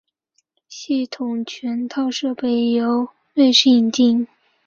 系统全套设备由瑞士引进。